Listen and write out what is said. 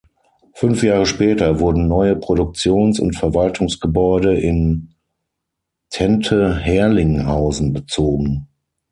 Fünf Jahre später wurden neue Produktions- und Verwaltungsgebäude in Tente-Herrlinghausen bezogen.